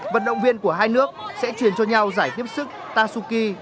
vận động viên của hai nước sẽ truyền cho nhau giải tiếp sức tasuki